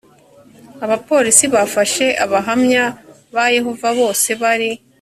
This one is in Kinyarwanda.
abapolisi bafashe abahamya ba yehova bose bari